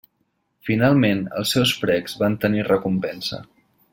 Finalment els seus precs van tenir recompensa.